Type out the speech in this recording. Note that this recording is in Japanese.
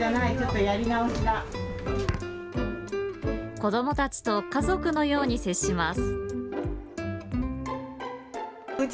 子どもたちと家族のように接します。